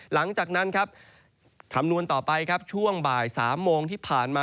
หลังจากนั้นครับคำนวณต่อไปครับช่วงบ่าย๓โมงที่ผ่านมา